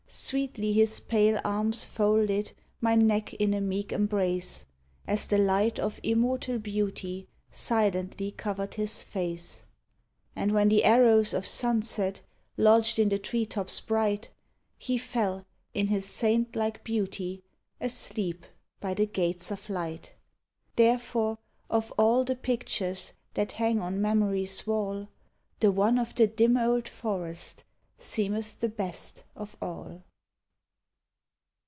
Sweetly his pale arms folded .My neck in a meek embrace, As the light of immortal beauty Silently covered his face; And when the arrows of sunset Lodged in the tree tops bright, lie fell, in his saint like beauty, Asleep by tiie gates of light. Therefore, of all the pictures That hang on Memory's wall, The one of the dim old forest Seemeth the best of all.